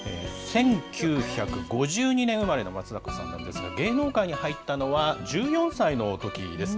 １９５２年生まれの松坂さんなんですが、芸能界に入ったのは１４歳のときです。